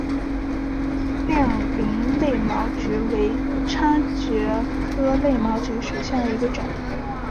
亮鳞肋毛蕨为叉蕨科肋毛蕨属下的一个种。